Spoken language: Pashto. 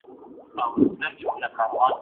ایا کره کتنه د لیکوال نظر بدلوي؟